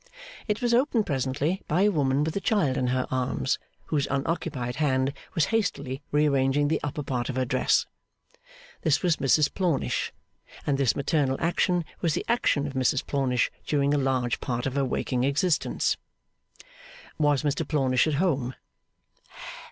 It was opened presently by a woman with a child in her arms, whose unoccupied hand was hastily rearranging the upper part of her dress. This was Mrs Plornish, and this maternal action was the action of Mrs Plornish during a large part of her waking existence. Was Mr Plornish at home?